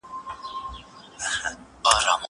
زه به سبا د تکړښت لپاره ولاړم.